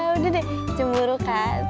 udah deh cemburu kak